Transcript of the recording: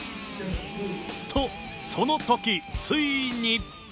と、そのとき、ついに。